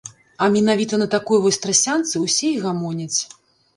А менавіта на такой вось трасянцы ўсе і гамоняць.